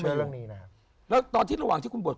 เจ้ากรรมนายเวรที่ตามคุณมา